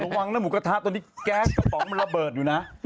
วังนะหมูกระทะตอนนี้แก๊สกระป๋องมันระเบิดอยู่นะ